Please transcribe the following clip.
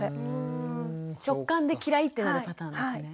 食感で嫌いってなるパターンですね。